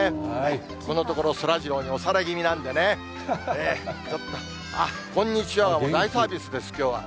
このところ、そらジローにおされ気味なんでね、ちょっと、あっ、こんにちはがもう大サービスです、きょうは。